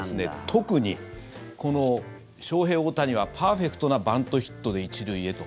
特に、このショウヘイ・オオタニはパーフェクトなバントヒットで１塁へと。